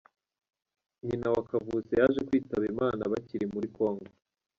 Nyina wa Kavutse yaje kwitaba Imana bakiri muri Congo.